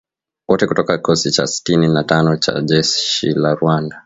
Wote kutoka kikosi cha sitini na tano cha jeshi la Rwanda.